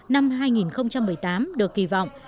năm hai nghìn một mươi tám được kỳ vọng